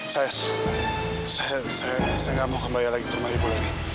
saya nggak mau kembali lagi ke rumah itu lagi